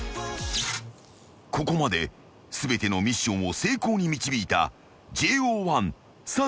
［ここまで全てのミッションを成功に導いたＪＯ１佐藤景瑚］